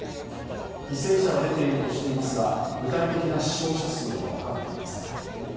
犠牲者が出ているとしていますが具体的な死傷者数は分かっていません。